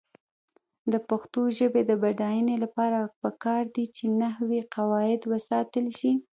د پښتو ژبې د بډاینې لپاره پکار ده چې نحوي قواعد وساتل شي.